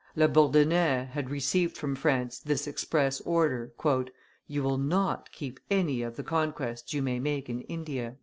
La Bourdonnais had received from France this express order "You will not, keep any of the conquests you may make in India."